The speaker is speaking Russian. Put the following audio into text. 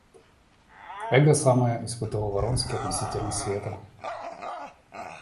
Эго самое испытывал Вронский относительно света.